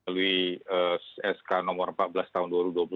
lwi sk no empat belas tahun dua ribu dua puluh satu